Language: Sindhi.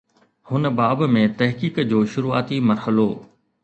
هن باب ۾ تحقيق جو شروعاتي مرحلو هو.